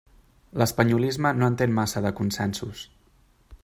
L'espanyolisme no entén massa de consensos.